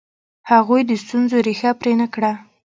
هغوی د ستونزو ریښه پرې نه کړه.